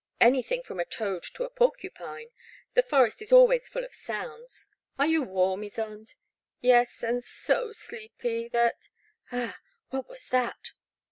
Anything from a toad to a porcupine ; the forest is always full of sounds. Are you warm, Ysonde?" Yes, — and so deepy that — ah ! what was that?"